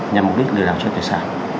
nhằm mục đích lừa đảo chiếm tài sản